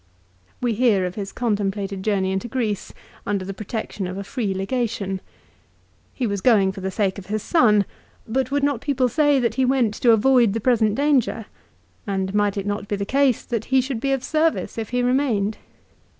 We hear of his contemplated journey into Greece, under the protection of a free legation. He was going for the sake of his son ; but would not people say that he went to avoid the present danger ; and might it not be the case that he should be of service if he remained